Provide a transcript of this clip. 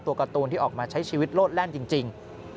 การ์ตูนที่ออกมาใช้ชีวิตโลดแล่นจริง